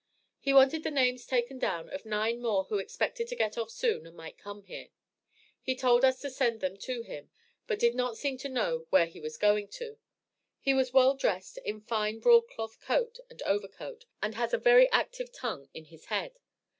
He wanted the names taken down of nine more who expected to get off soon and might come here. He told us to send them to him, but did not seem to know where he was going to. He was well dressed in fine broad cloth coat and overcoat, and has a very active tongue in his head.